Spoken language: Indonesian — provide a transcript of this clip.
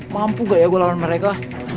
mampu gak ya gue lawan mereka